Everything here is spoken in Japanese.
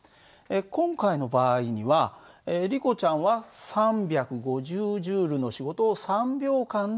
今回の場合にはリコちゃんは３５０Ｊの仕事を３秒間でした。